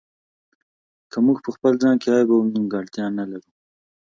که موږ په خپل ځان کې عیب او نیمګړتیا نه لرو.